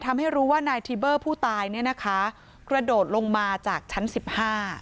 ทำให้รู้ว่านายทิเบอร์ผู้ตายเนี้ยนะคะกระโดดลงมาจากชั้นสิบห้า